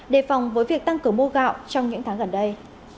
để phòng với việc tăng cửa mưa gạo trong những tháng gần đây